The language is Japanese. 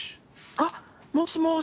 あっもしもし。